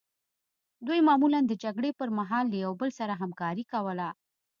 دوی معمولا د جګړې پرمهال له یو بل سره همکاري کوله.